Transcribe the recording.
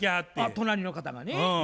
隣の方がね。